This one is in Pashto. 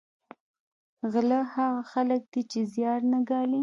غله هغه خلک دي چې زیار نه ګالي